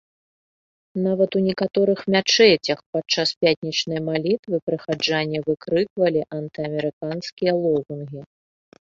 Нават у некаторых мячэцях падчас пятнічнай малітвы прыхаджане выкрыквалі антыамерыканскія лозунгі.